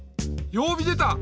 曜日出た！